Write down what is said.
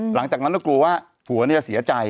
หลังจากนั้นก็กลัวว่าผัวจะเสียใจ